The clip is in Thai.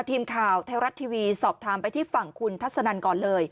ทีมข่าวไทยรัฐทีวีสอบถามไปที่ฝั่งคุณทัศนันก่อนเลย